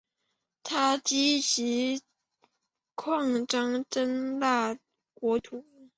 他积极扩张真腊国土。